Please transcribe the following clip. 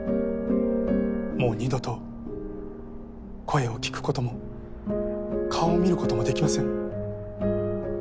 もう二度と声を聞くことも顔を見ることも出来ません。